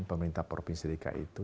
pemerintah provinsi rika itu